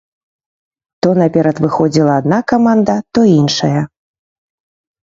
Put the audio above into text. То наперад выходзіла адна каманда, то іншая.